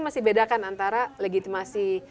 masih bedakan antara legitimasi